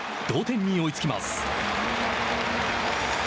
同点に追いつきます。